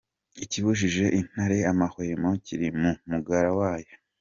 Ikibujije intare amahwemo kiri mu mugara wayo.